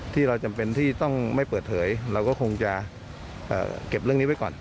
ที่เราจำเป็นที่ต้องไม่เปิดเผยเราก็คงจะเก็บเรื่องนี้ไว้ก่อน